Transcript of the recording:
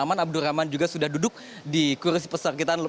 abdurrahman juga sudah duduk di kurusi pesakitan